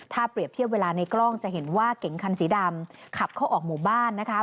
ถ้าเปรียบเทียบเวลาในกล้องจะเห็นว่าเก๋งคันสีดำขับเข้าออกหมู่บ้านนะคะ